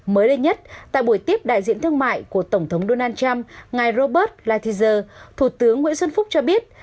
mới đây nhất tại buổi tiếp đại diện thương mại của tổng thống donald trump ngài robert lighthizer thủ tướng nguyễn xuân phúc cho biết